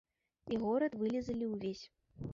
І горад вылізалі ўвесь.